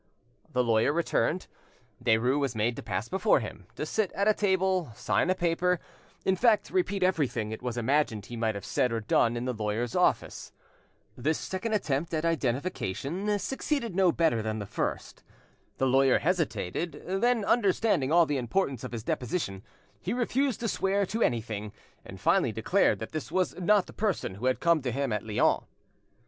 The lawyer returned: Derues was made to pass before him, to sit at a table, sign a paper, in fact to repeat everything it was imagined he might have said or done in the lawyer's office. This second attempt at identification succeeded no better than the first. The lawyer hesitated; then, understanding all the importance of his deposition, he refused to swear to anything, and finally declared that this was not the person who had come to him at Lyons.